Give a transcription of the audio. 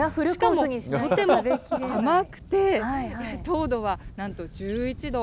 しかも甘くて、糖度はなんと１１度。